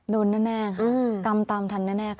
โดนแน่ค่ะกรรมตามทันแน่ค่ะ